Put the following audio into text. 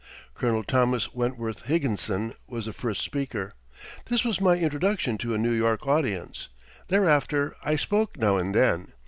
Colonel Thomas Wentworth Higginson was the first speaker. This was my introduction to a New York audience. Thereafter I spoke now and then.